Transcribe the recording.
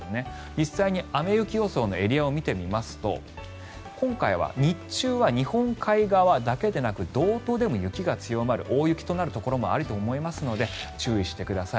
実際に雨・雪予想のエリアを見てみますと今回は日中は日本海側だけでなく道東でも雪が強まる大雪となるところもありますので注意してください。